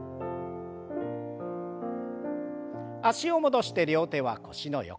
脚を戻して両手は腰の横。